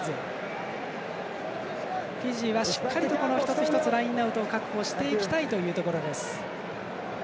フィジーは一つ一つラインアウトを確保していきたいところです。